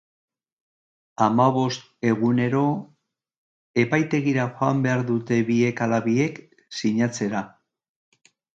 Hamabost egunero epaitegira joan behar dute biek ala biek sinatzera.